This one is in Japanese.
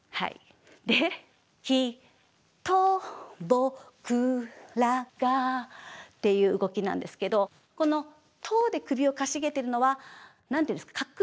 「きっと僕らが」っていう動きなんですけどこの「と」で首をかしげてるのは何て言うんですか確信がまだない。